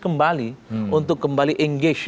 kembali untuk kembali engage